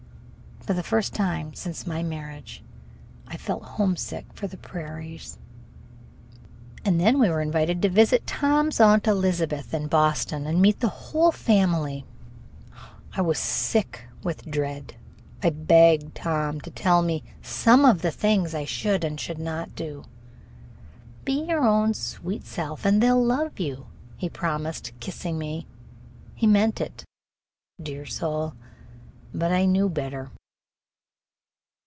For the first time since my marriage I felt homesick for the prairies. And then we were invited to visit Tom's Aunt Elizabeth in Boston and meet the whole family. I was sick with dread. I begged Tom to tell me some of the things I should and should not do. "Be your own sweet self and they 'll love you," he promised, kissing me. He meant it, dear soul; but I knew better.